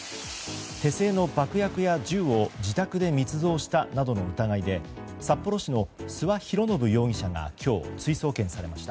手製の爆薬や銃を自宅で密造したなどの疑いで札幌市の諏訪博宣容疑者が今日、追送検されました。